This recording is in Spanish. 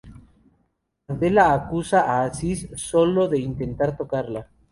Adela acusa a Aziz sólo de intentar tocarla.